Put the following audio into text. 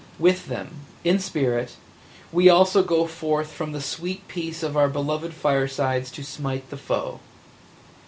With them – in spirit – we also go forth from the sweet peace of our beloved firesides to smite the foe.